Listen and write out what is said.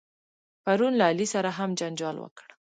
پرون له علي سره هم جنجال وکړ.